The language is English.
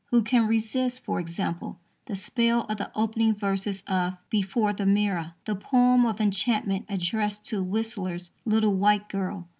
Who can resist, for example, the spell of the opening verses of Before the Mirror, the poem of enchantment addressed to Whistler's _Little White Girl?